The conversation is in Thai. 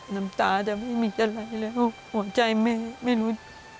น้ำตาจะไม่มีอะไรแล้วหัวใจแม่ไม่รู้